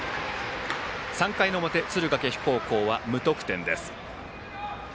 ３回表、敦賀気比高校は無得点。